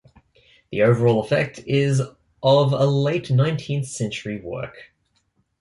The overall effect is of a late-nineteenth-century work.